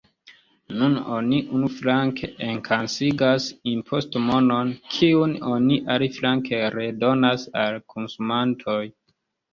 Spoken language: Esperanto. Nun oni unuflanke enkasigas impostmonon, kiun oni aliflanke redonas al konsumantoj.